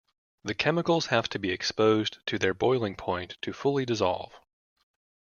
The chemicals have to be exposed to their boiling point to fully dissolve.